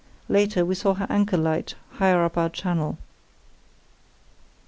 Later, we saw her anchor light higher up our channel.